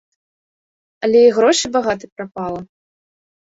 Але і грошай багата прапала!